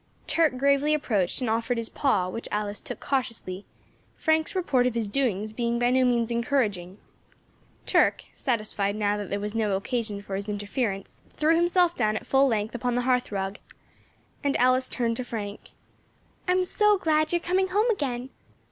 Turk gravely approached and offered his paw, which Alice took cautiously, Frank's report of his doings being by no means encouraging. Turk, satisfied now that there was no occasion for his interference, threw himself down at full length upon the hearthrug, and Alice turned to Frank. "I am so glad you are coming home again."